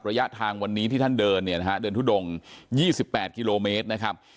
ระยะทางวันนี้ที่ท่านเดินเนี่ยนะฮะเดินทุดง๒๘กิโลเมตรนะครับ